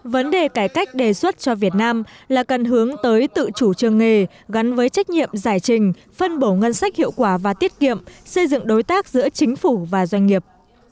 vấn đề cải cách đề xuất cho việt nam là cần hướng tới tự chủ trường nghề gắn với trách nhiệm giải trình phân bổ ngân sách hiệu quả và tiết kiệm xây dựng đối tác giữa chính phủ và doanh nghiệp